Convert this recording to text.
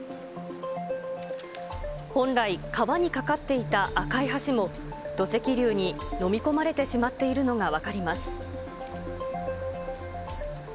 本来、川に架かっていた赤い橋も、土石流に飲み込まれてしまっているのが分かります。